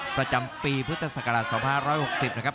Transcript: ประจำปีพุทธศักราช๒๕๖๐นะครับ